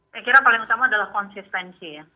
saya kira paling utama adalah konsistensi ya